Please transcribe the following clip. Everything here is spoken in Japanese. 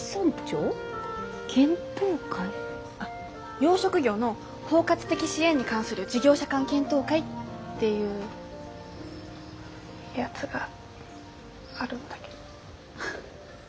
養殖業の包括的支援に関する事業者間検討会っていうやつがあるんだけど。